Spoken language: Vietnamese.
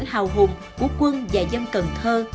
hào hùng của quân và dân cần thơ